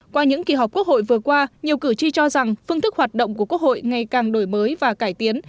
qua những kỳ họp quốc hội vừa qua nhiều cử tri cho rằng phương thức hoạt động của quốc hội ngày càng đổi mới và cải tiến